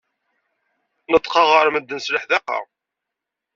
Neṭṭqeɣ ɣer medden s leḥdaqa.